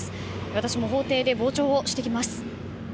私も法廷で傍聴をしてきます。